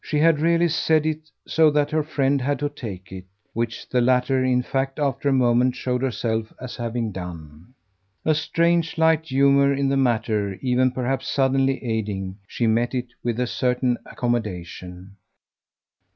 She had really said it so that her friend had to take it; which the latter in fact after a moment showed herself as having done. A strange light humour in the matter even perhaps suddenly aiding, she met it with a certain accommodation.